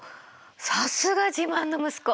さすが自慢の息子！